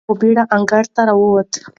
هغه په بېړه انګړ ته وووت.